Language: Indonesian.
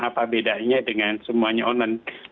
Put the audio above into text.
apa bedanya dengan semuanya online